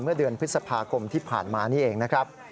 เมื่อเดือนพฤษภาคมที่ผ่านมานี่เองนะครับ